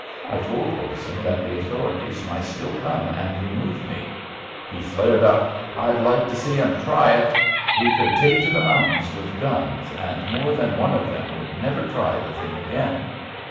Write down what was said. I told Olson that the authorities might still come and remove me. He flared up, "I'd like to see them try it! We could take to the mountains with guns, and more than one of them would never try the thing again."